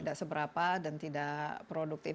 tidak seberapa dan tidak produktif